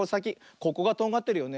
ここがとんがってるよね。